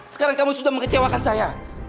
sekarang kamu suka mengecewakan saya